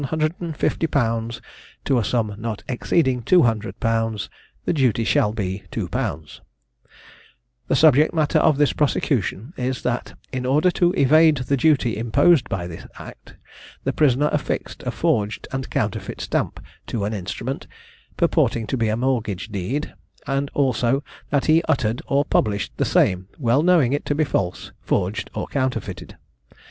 _ to a sum not exceeding 200_l._ the duty shall be 2_l._ The subject matter of this prosecution is, that in order to evade the duty imposed by this act, the prisoner affixed a forged and counterfeit stamp to an instrument, purporting to be a mortgage deed; and also that he uttered or published the same, well knowing it to be false, forged, or counterfeited.